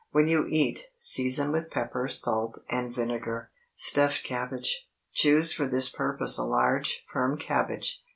When you eat, season with pepper, salt, and vinegar. STUFFED CABBAGE. Choose for this purpose a large, firm cabbage.